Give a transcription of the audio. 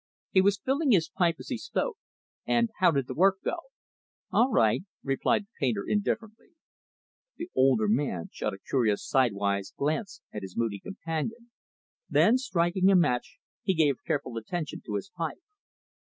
He was filling his pipe as he spoke. "And how did the work go?" "All right," replied the painter, indifferently. The older man shot a curious sidewise glance at his moody companion; then, striking a match, he gave careful attention to his pipe.